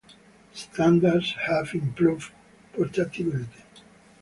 Standards have improved portability.